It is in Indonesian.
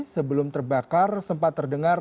sebelum terbakar sempat terdengar